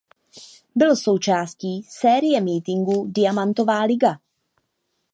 Byl součástí série mítinků Diamantová liga.